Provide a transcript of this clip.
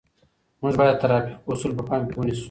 موږ باید د ترافیکو اصول په پام کې ونیسو.